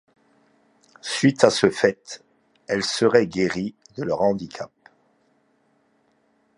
Suite à ce fait, elles seraient guéries de leur handicap.